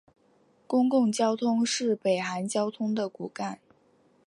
公共交通是北韩交通的骨干。